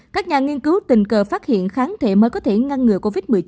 các nhà nghiên cứu tình cờ phát hiện kháng thể mới có thể ngăn ngừa covid một mươi chín